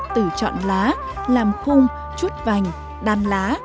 tự chọn lá làm khung chút vành đan lá